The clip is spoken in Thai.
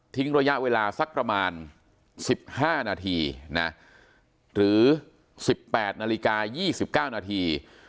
ระยะเวลาสักประมาณ๑๕นาทีนะหรือ๑๘นาฬิกา๒๙นาที